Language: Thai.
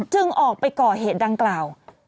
ออกไปก่อเหตุดังกล่าว